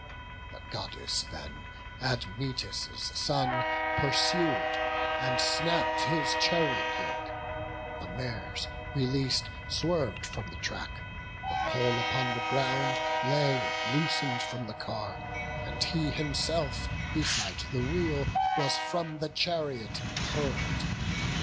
The Goddess then Admetus' son pursued, And snapp'd his chariot yoke; the mares, releas'd, Swerv'd from the track; the pole upon the ground Lay loosen'd from the car; and he himself Beside the wheel was from the chariot hurl'd.